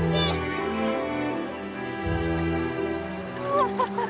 アハハハ！